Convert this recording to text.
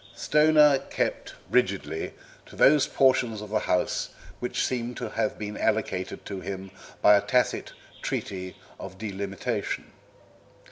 Stoner kept rigidly to those portions of the house which seemed to have been allotted to him by a tacit treaty of delimitation.